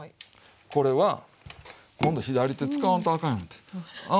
これは今度左手使わんとあかんようになって。